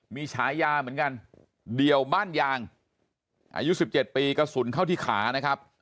มีฉายาเหมือนกันเดี่ยวบ้านยางอายุ๑๗ปีกระสุนเข้าที่ขานะครับ